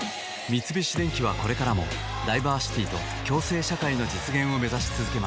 三菱電機はこれからもダイバーシティと共生社会の実現をめざしつづけます